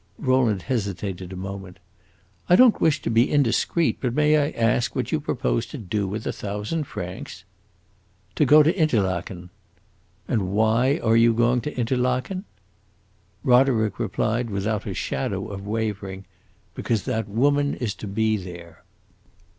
Rowland hesitated a moment. "I don't wish to be indiscreet, but may I ask what you propose to do with a thousand francs?" "To go to Interlaken." "And why are you going to Interlaken?" Roderick replied without a shadow of wavering, "Because that woman is to be there."